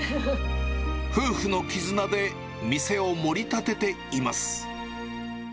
夫婦の絆で店を盛り立てています。